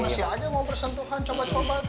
manusia aja mau bersentuhan coba coba